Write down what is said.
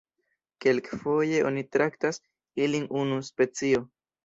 Kelkfoje oni traktas ilin unu specio.